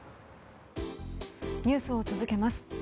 ニュースを続けます。